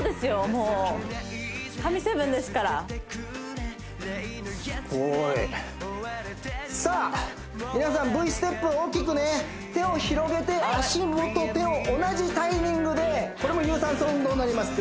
もう神７ですからすごーいさあ皆さんＶステップ大きくね手を広げて足元手を同じタイミングでこれも有酸素運動になります